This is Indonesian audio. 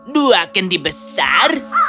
dua kendi besar